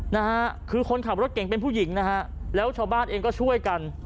นะฮะคือคนขับรถเก่งเป็นผู้หญิงนะฮะแล้วชาวบ้านเองก็ช่วยกัน